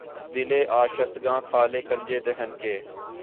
دل آشفتگاں خالِ کنجِ دہن کے